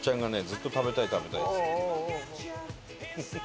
ずっと「食べたい食べたい」っつって。